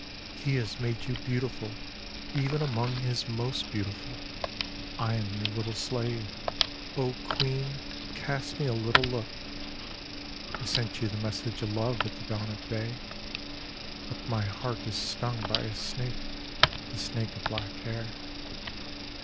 He has made you beautiful even among his most beautiful ; I am your little slave. O queen, cast me a little look. I sent you the message of love at the dawn of day, But my heart is stung by a snake, the snake of black hair.